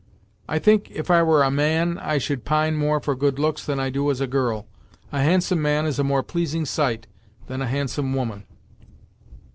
I think, if I were a man, I should pine more for good looks than I do as a girl. A handsome man is a more pleasing sight than a handsome woman."